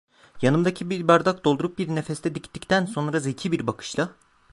Yanımdaki bir bardak doldurup bir nefeste diktikten sonra zeki bir bakışla: